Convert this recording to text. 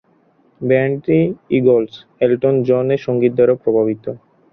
ব্যান্ডটি Eagles, Elton জন-এর সংগীত দ্বারা প্রভাবিত।